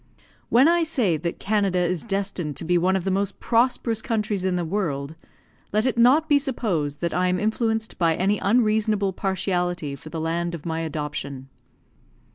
When I say that Canada is destined to be one of the most prosperous countries in the world, let it not be supposed that I am influenced by any unreasonable partiality for the land of my adoption.